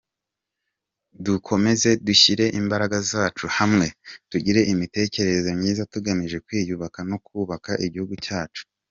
Dukomeze dushyire imbaraga zacu hamwe, tugire imitekerereze myiza tugamije kwiyubaka no kubaka igihugu cyacu.